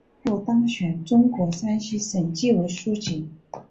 后当选中共山西省纪委书记。